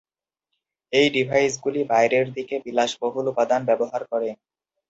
এই ডিভাইসগুলি বাইরের দিকে বিলাসবহুল উপাদান ব্যবহার করে।